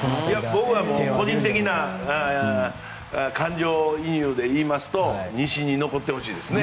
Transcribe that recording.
僕は個人的な感情移入で言いますと西に残ってほしいですね。